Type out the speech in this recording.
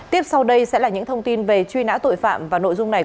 tiếp sau đây sẽ là những thông tin về truy nã tội phạm và nội dung này